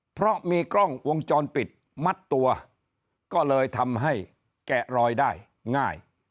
เพราะมีกล้องวงจรปิดมัดตัวก็เลยทำให้แกะรอยได้ง่าย